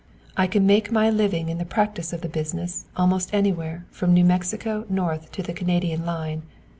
I can make my living in the practice of the business almost anywhere from New Mexico north to the Canadian line.